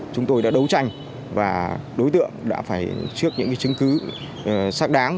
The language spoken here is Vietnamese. chúng tôi đã đấu tranh và đối tượng đã phải trước những chứng cứ xác đáng